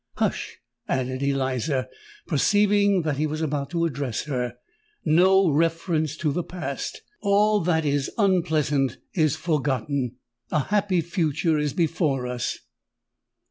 "Hush!" added Eliza, perceiving that he was about to address her: "no reference to the past! All that is unpleasant is forgotten:—a happy future is before us!"